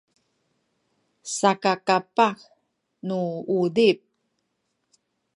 saka kapah nu uzip